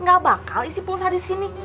gak bakal isi pulsa di sini